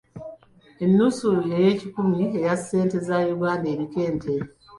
Ennusu y'ekikumi eya ssente za Uganda eriko ente.